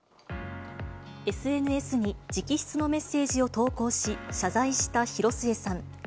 ＳＮＳに直筆のメッセージを投稿し、謝罪した広末さん。